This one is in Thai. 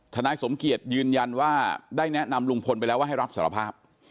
นายสมเกียจยืนยันว่าได้แนะนำลุงพลไปแล้วว่าให้รับสารภาพ